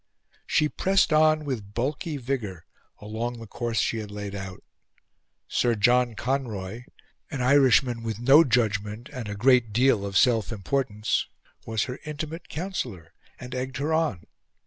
She pressed on, with bulky vigour, along the course she had laid out. Sir John Conroy, an Irishman with no judgment and a great deal of self importance, was her intimate counsellor, and egged her on.